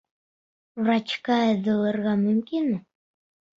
Врачҡа яҙылырға мөмкинме?